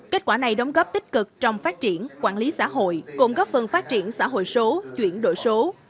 kết quả này đóng góp tích cực trong phát triển quản lý xã hội cộng góp phần phát triển xã hội số chuyển đổi số